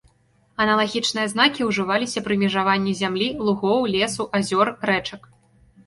Аналагічныя знакі ўжываліся пры межаванні зямлі, лугоў, лесу, азёр, рэчак.